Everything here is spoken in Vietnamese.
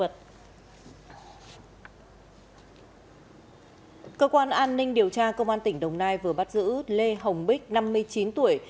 cơ quan an ninh điều tra công an tỉnh đồng nai vừa bắt giữ lê hồng bích năm mươi chín tuổi